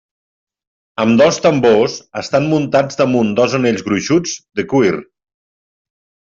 Ambdós tambors estan muntants damunt dos anells gruixuts de cuir.